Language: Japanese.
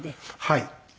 はい。